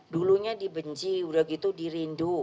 dulunya dibenci udah gitu dirindu